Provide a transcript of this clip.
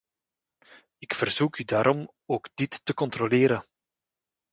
Ik verzoek u daarom ook dit te controleren.